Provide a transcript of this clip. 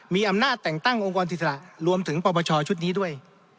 มีอำนาจแต่งตั้งองค์กรอิสระรวมถึงปปชชุดนี้ด้วย